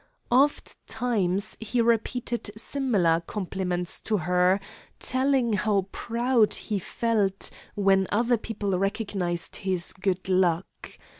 Ofttimes he repeated similar compliments to her; telling how proud he felt when other people recognised his good luck.